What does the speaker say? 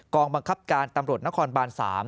บังคับการตำรวจนครบาน๓